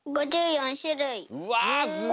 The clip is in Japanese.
うわすごい！